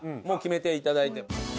もう決めていただいて。